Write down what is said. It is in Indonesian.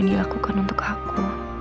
dilakukan untuk aku